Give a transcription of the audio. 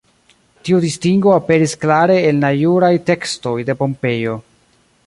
Tiu distingo aperis klare en la juraj tekstoj de Pompejo.